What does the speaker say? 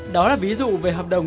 đó là ví dụ về hợp đồng